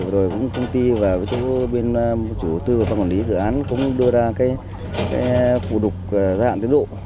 rồi cũng công ty và chủ tư và phòng quản lý dự án cũng đưa ra cái phù đục dạng tiến độ